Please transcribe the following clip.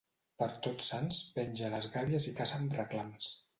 Per Tots Sants penja les gàbies i caça amb reclams.